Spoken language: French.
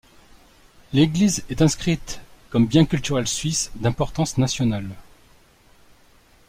L'église est inscrite comme bien culturel suisse d'importance nationale.